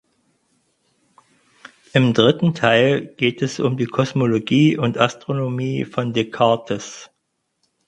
Im dritten Teil geht es um die Kosmologie und Astronomie von Descartes.